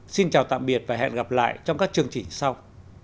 xin chào tạm biệt và hẹn gặp lại trong các chương trình sau